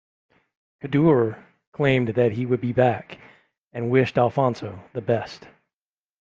Kaddour claimed that he would be back and wished Alfonso the best.